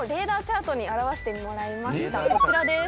こちらです。